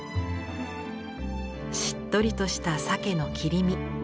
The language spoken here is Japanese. しっとりとした鮭の切り身。